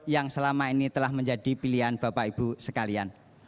yang selama ini telah menjadi pilihan bapak ibu sekalian